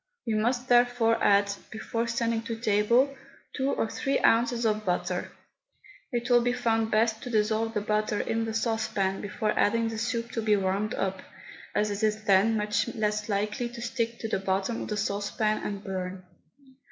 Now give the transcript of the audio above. We must therefore add, before sending to table, two or three ounces of butter. It will be found best to dissolve the butter in the saucepan before adding the soup to be warmed up, as it is then much less likely to stick to the bottom of the saucepan and burn.